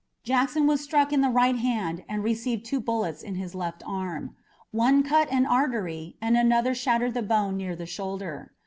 Jackson was struck in the right hand and received two bullets in his left arm. One cut an artery and another shattered the bone near the shoulder.